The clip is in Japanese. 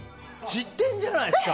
知ってんじゃないですか？